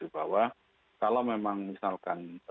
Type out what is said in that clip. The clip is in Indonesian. bahwa kalau memang misalkan